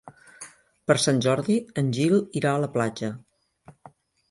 Per Sant Jordi en Gil irà a la platja.